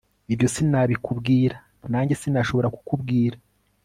ibyo sinabikubwira, nange sinashobora kukubwira